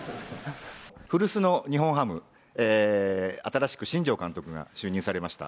古巣の日本ハム、新しく新庄監督が就任されました。